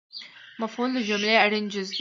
مفعول د جملې اړین جز دئ